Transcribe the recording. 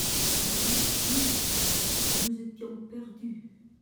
Maudite fille ! nous étions perdus.